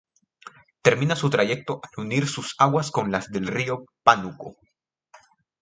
Termina su trayecto al unir sus aguas con las del río Pánuco.